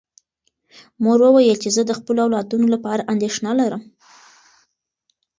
مور وویل چې زه د خپلو اولادونو لپاره اندېښنه لرم.